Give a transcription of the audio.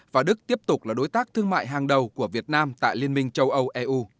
và đức tiếp tục là đối tác thương mại hàng đầu của việt nam tại liên minh châu âu eu